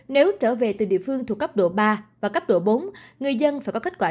nếu trở về từ địa phương thuộc cấp độ ba và cấp độ bốn người dân phải có kết quả